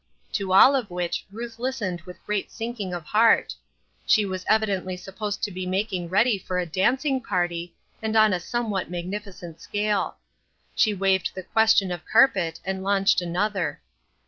To all of which Ruth listened with great sinking of heart ; she was evidently supposed to be mak ing ready for a dancing party, and on a somewhat 98 SLIPPERY GROUND. magnificent scale. She waived the question of carpet and launched another.